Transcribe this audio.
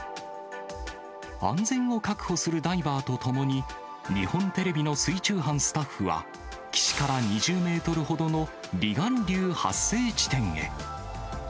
安全を確保するダイバーと共に、日本テレビの水中班スタッフは、岸から２０メートルほどの離岸流発生地点へ。